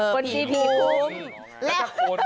คนที่ผีคลุม